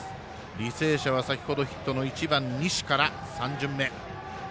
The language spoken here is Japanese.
履正社は先ほどヒットの１番、西から３巡目。